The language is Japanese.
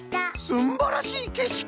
すんばらしいけしき！